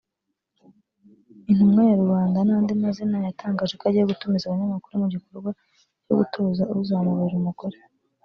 intumwa ya rubanda n’andi mazina yatangaje ko agiye gutumiza abanyamakuru mu gikorwa cyo gutora uzamubera umugore